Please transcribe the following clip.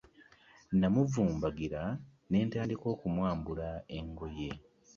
Namuvumbagira ne ntandika okumwambula engoye.